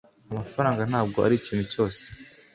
amafaranga ntabwo arikintu cyose.